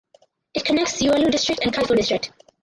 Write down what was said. It connects Yuelu District and Kaifu District.